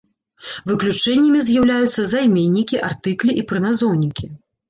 Выключэннямі з'яўляюцца займеннікі, артыклі і прыназоўнікі.